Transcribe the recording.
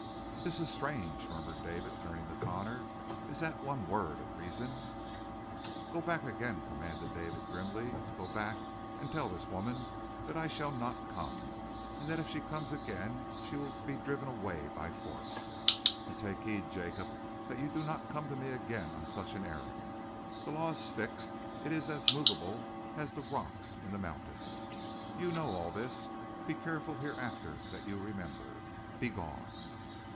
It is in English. '" "This is strange," murmured David, turning to Connor. "Is that one word a reason? "Go back again," commanded David grimly. "Go back and tell this woman that I shall not come, and that if she comes again she will be driven away by force. And take heed, Jacob, that you do not come to me again on such an errand. The law is fixed. It is as immovable as the rocks in the mountains. You know all this. Be careful hereafter that you remember. Be gone!"